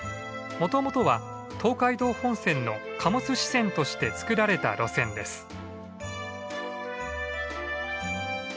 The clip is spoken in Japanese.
もともとは東海道本線の貨物支線として造られた路線です。